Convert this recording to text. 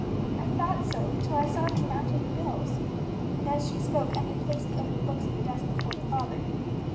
"I thought so, till I saw the amount of the bills," and, as she spoke, Emmie placed the open books on the desk before her father.